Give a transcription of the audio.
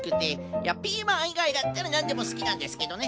いやピーマンいがいだったらなんでもすきなんですけどね。